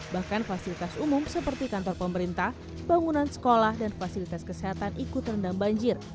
bahkan fasilitas umum seperti kantor pemerintah bangunan sekolah dan fasilitas kesehatan ikut terendam banjir